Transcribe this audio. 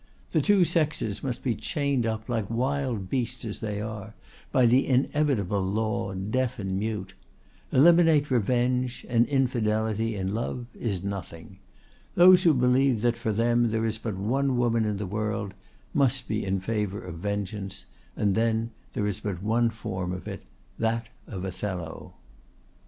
The two sexes must be chained up, like wild beasts as they are, by inevitable law, deaf and mute. Eliminate revenge, and infidelity in love is nothing. Those who believe that for them there is but one woman in the world must be in favor of vengeance, and then there is but one form of it—that of Othello.